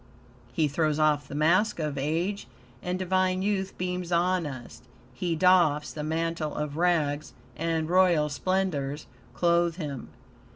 He throws off the mask of age, and divine youth beams on us. He doffs the mantle of rags, and royal splendors clothe him.